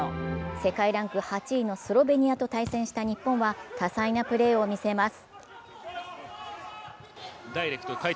世界ランク８位のスロベニアと対戦した日本は多彩なプレーを見せます。